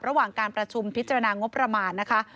ระหว่างการประชุมพิจารณางบประมาณนะคะ